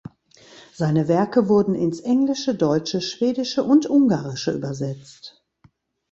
Seine Werke wurden ins Englische, Deutsche, Schwedische und Ungarische übersetzt.